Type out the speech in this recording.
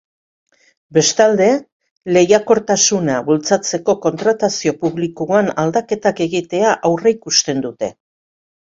Bestalde, lehiakortasuna bultzatzeko kontratazio publikoan aldaketak egitea aurreikusten dute.